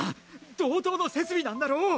同等の設備なんだろ！？